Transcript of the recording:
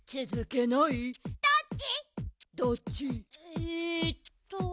えっと。